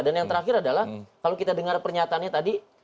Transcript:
dan yang terakhir adalah kalau kita dengar pernyataannya tadi